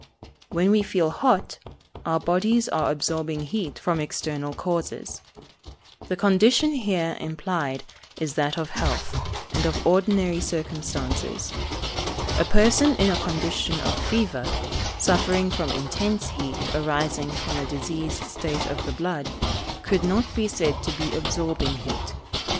_ When we feel hot, our bodies are absorbing heat from external causes. The condition here implied is that of health, and of ordinary circumstances. A person in a condition of fever, suffering from intense heat arising from a diseased state of the blood, could not be said to be absorbing heat.